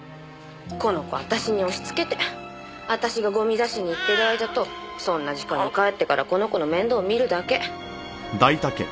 この子私に押しつけて私がゴミ出しに行ってる間とそんな時間に帰ってからこの子の面倒見るだけ。